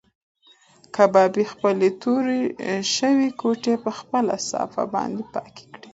کبابي خپلې تورې شوې ګوتې په خپله صافه باندې پاکې کړې.